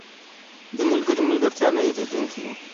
• د ملګري ملګرتیا نه هېریدونکې وي.